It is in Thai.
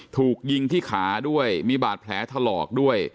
ถูกยิงที่ขาด้วยมีบาดแผลถลอกด้วย